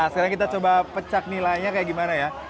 nah sekarang kita coba pecak nilanya kayak gimana ya